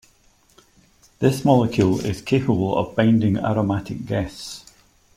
This molecule is capable of binding aromatic guests.